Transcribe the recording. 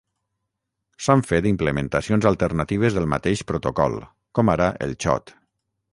S'han fet implementacions alternatives del mateix protocol, com ara el Xot.